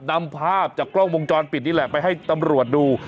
นำภาพจากกล้องวงจรปิดนี่แหละไปให้ตำรวจดู